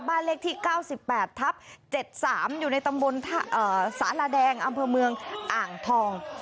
บ้านเลขที่เก้าสิบแปดทับเจ็ดสามอยู่ในตำบนอ่าสาหร่าแดงอำเภอเมืองอ่างทอง